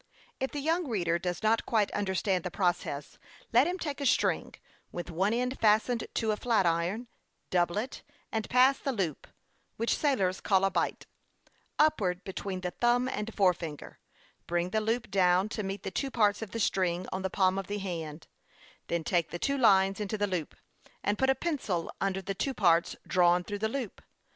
If the young reader does not quite understand the process, let him take a string, with one end fastened to a flatiron ; double it, and pass the loop which sailors call a biyht upwards between the thumb and forefinger ; bring the loop down to meet the two parts of the string on the palm of the hand ; then take the two lines into the loop, and put a pencil under the two parts drawn through the loop.